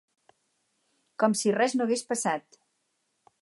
Com si res no hagués passat.